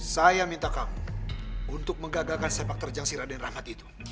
saya minta kamu untuk menggagalkan sepak terjang si raden rahat itu